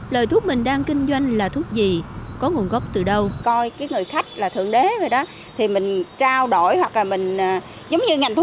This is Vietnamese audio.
lời thuốc mình đang kinh doanh là thuốc gì có nguồn gốc từ đâu